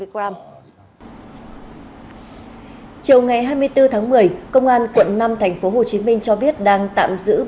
chiều ngày hai mươi bốn tháng một mươi công an quận năm tp hồ chí minh cho biết đang tạm giữ